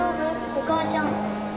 お母ちゃん。